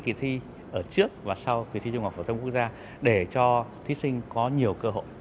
kỳ thi ở trước và sau kỳ thi trung học phổ thông quốc gia để cho thí sinh có nhiều cơ hội